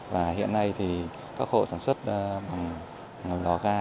và hiện nay thì các hộ sản xuất bằng lò ga